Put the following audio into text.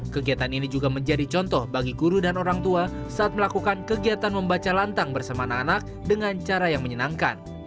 kegiatan ini juga menjadi contoh bagi guru dan orang tua saat melakukan kegiatan membaca lantang bersama anak anak dengan cara yang menyenangkan